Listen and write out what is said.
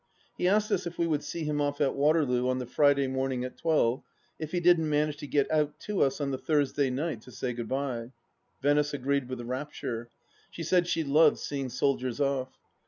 He asked us if we would see him off at Waterloo on the Friday morning at twelve, if he didn't manage to get out to us on the Thursday night, to say good bye 1 Venice agreed with rapture ; she said she loved seeing soldiers off.